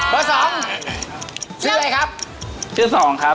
เบอร์๒ชื่ออะไรครับชื่อ๒ครับ